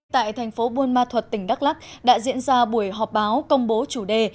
tại thành phố buôn ma thuật tỉnh đắk lắc đã diễn ra buổi họp báo công bố chủ đề